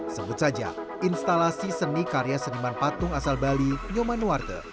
sebut saja instalasi seni karya seniman patung asal bali nyomanuarte